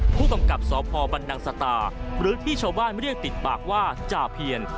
ผู้กำกับสพบันนังสตาหรือที่ชาวบ้านเรียกติดปากว่าจ่าเพียร